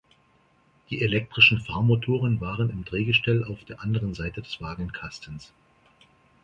Die elektrischen Fahrmotoren waren im Drehgestell auf der anderen Seite des Wagenkastens.